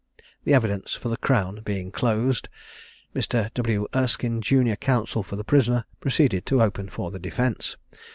The evidence for the Crown being closed, Mr. W. Erskine, junior counsel for the prisoner, proceeded to open the defence.